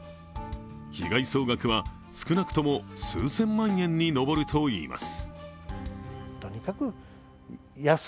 被害総額は少なくとも数千万円に上るといいます。